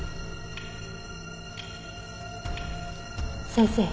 先生。